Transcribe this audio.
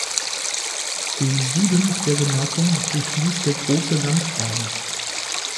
Den Süden der Gemarkung durchfließt der Große Landgraben.